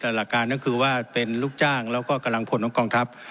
แต่หลักการก็คือว่าเป็นลูกจ้างแล้วก็กำลังพลของกองทัพ